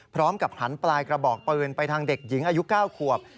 พร้อมกับหันปลายกระบอกปืนไปทางเด็กหญิงอายุ๙ขวบ